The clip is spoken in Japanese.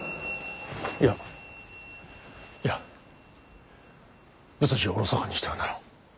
いやいや仏事をおろそかにしてはならん。